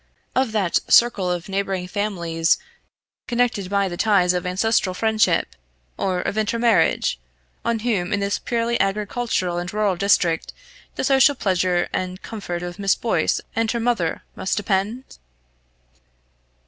of that circle of neighbouring families connected by the ties of ancestral friendship, or of intermarriage, on whom in this purely agricultural and rural district the social pleasure and comfort of Miss Boyce and her mother must depend?